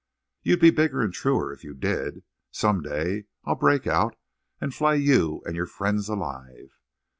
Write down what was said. "You'd be bigger and truer if you did. Some day I'll break out and flay you and your friends alive."